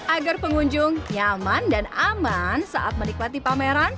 agar pengunjung nyaman dan aman saat menikmati pameran